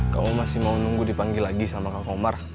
kamu masih mau nunggu dipanggil lagi sama kang komar